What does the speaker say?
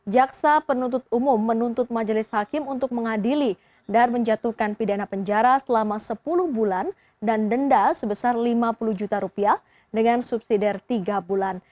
jaksa penuntut umum menuntut majelis hakim untuk mengadili dan menjatuhkan pidana penjara selama sepuluh bulan dan denda sebesar lima puluh juta rupiah dengan subsidi dari tiga bulan